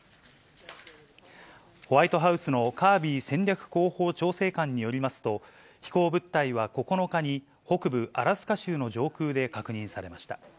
ホワイトハウスのカービー戦略広報調整官によりますと、飛行物体は９日に、北部アラスカ州の上空で確認されました。